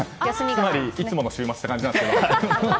いつもの週末って感じなんですけど。